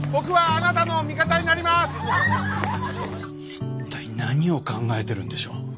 一体何を考えてるんでしょう。